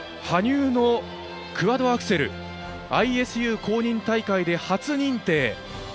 羽生のクアッドアクセルＩＳＵ公認大会で初認定。